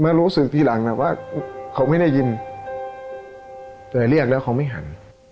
มารู้สึกทีหลังนะว่าเขาไม่ได้ยินแต่เรียกแล้วเขาไม่หัน